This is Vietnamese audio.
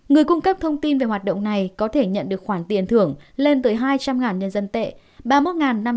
người cung cấp thông tin về hoạt động này có thể nhận được khoản tiền thưởng lên tới hai trăm linh nhân dân tệ ba mươi một năm trăm bảy mươi đô